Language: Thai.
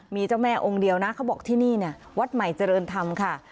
มีเจ้าแม่องค์เดียวนะเขาบอกที่นี่เนี่ยวัดใหม่เจริญธรรมค่ะ